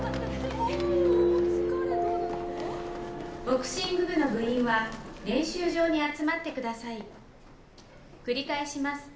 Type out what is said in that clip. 「ボクシング部の部員は練習場に集まってください」「繰り返します。